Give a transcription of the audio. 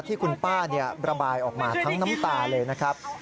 ที่คุณป้าระบายออกมาทั้งน้ำตาเลยนะครับ